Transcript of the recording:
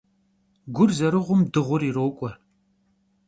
Gur zerığum dığur yirok'ue.